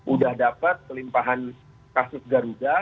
udah dapat kelimpahan kasus garuda